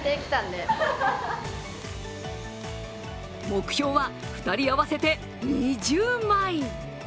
目標は２人合わせて２０枚。